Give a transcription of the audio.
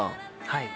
はい。